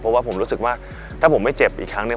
เพราะว่าผมรู้สึกว่าถ้าผมไม่เจ็บอีกครั้งเนี่ย